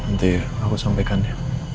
nanti aku sampaikan ya